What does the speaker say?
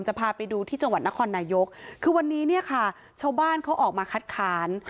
เราจะพาไปดูที่จังหวัดนครนายกคือวันนี้ชาวบ้านเขาออกมาคัดคาร